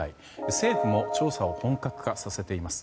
政府も調査を本格化させています。